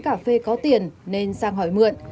cà phê có tiền nên sang hỏi mượn